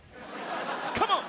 カモン！